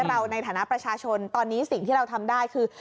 เราในฐานะประชาชนตอนนี้สิ่งที่เราทำได้คือ